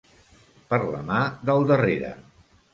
Per la mà del darrere.